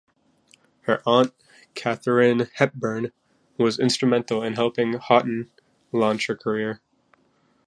Her aunt, Katharine Hepburn, was instrumental in helping Houghton launch her career.